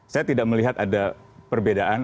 saya tidak melihat ada perbedaan